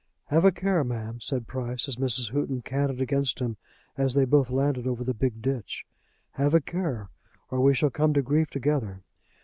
"Have a care, ma'am," said Price, as Mrs. Houghton canoned against him as they both landed over the big ditch; "have a care, or we shall come to grief together.